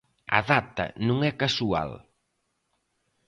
A data non é casual.